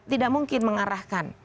tidak mungkin mengarahkan